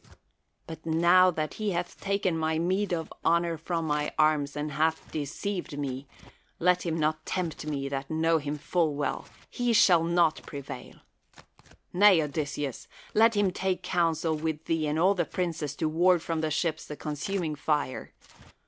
But now that he hath taken 4 ACIIIIJ.KS ACHILLES my meed of honor from mine arms and liath deceived me, let him not tempt me that know him full well; he shall not prevail. Xay, Odysseus, let him take counsel with thee and all the princes to ward from the ships the consuming fire.